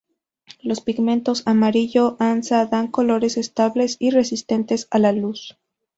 Los pigmentos amarillo Hansa dan colores estables y resistentes a la luz.